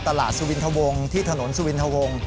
ที่สลาดสุวินทะวงที่ถนนสุวินทะวง